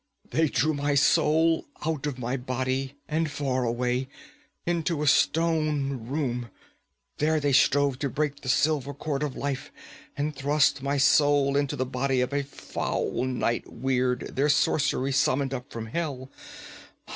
They drew my soul out of my body and far away, into a stone room. There they strove to break the silver cord of life, and thrust my soul into the body of a foul night weird their sorcery summoned up from hell.